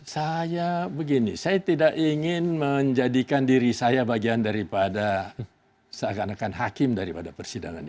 saya begini saya tidak ingin menjadikan diri saya bagian daripada seakan akan hakim daripada persidangan ini